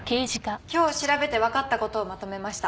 今日調べてわかった事をまとめました。